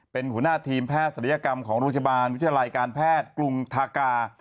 เป็นหัวหน้าทีมแพทย์ศัลยกรรมของโรงพยาบาลวิทยาลัยการแพทย์กรุงทากา